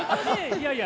いやいや。